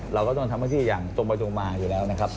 เราก็ต้องทำหน้าที่อย่างตรงไปตรงมาอยู่แล้วนะครับ